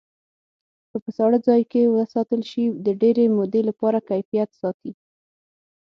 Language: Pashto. که په ساړه ځای کې وساتل شي د ډېرې مودې لپاره کیفیت ساتي.